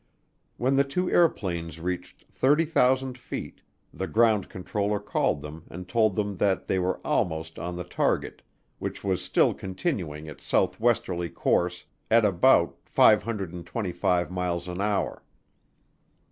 When the two airplanes reached 30,000 feet, the ground controller called them and told them that they were almost on the target, which was still continuing its southwesterly course at about 525 miles an hour.